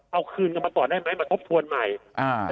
เอาคืนกันมาก่อนได้ไหมมาทบทวนใหม่อ่า